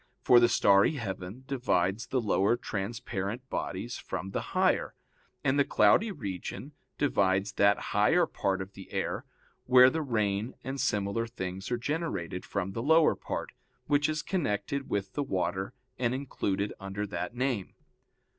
For the starry heaven divides the lower transparent bodies from the higher, and the cloudy region divides that higher part of the air, where the rain and similar things are generated, from the lower part, which is connected with the water and included under that name.